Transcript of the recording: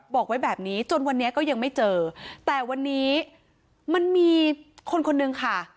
บอกไว้แบบนี้จนวันนี้ก็ยังไม่เจอแต่วันนี้มันมีคนคนนึงค่ะ